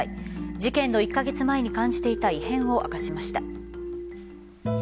事件の１カ月前に感じていた異変を明かしました。